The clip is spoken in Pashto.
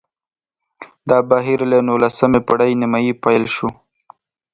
دا بهیر له نولسمې پېړۍ نیمايي پیل شو